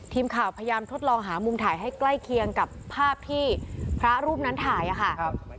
ทีมข่าวพยายามทดลองหามุมถ่ายให้ใกล้เคียงกับภาพที่พระรูปนั้นถ่ายค่ะ